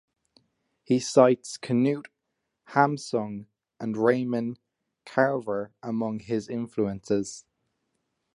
He cites Knut Hamsun and Raymond Carver among his influences.